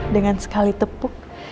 dengan sekali tepuk